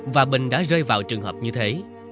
và bình đã rơi vào trường hợp như thế